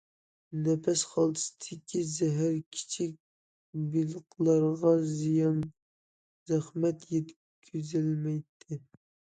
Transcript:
نەپەس خالتىسىدىكى زەھەر، كىچىك بېلىقلارغا زىيان- زەخمەت يەتكۈزەلمەيتتى.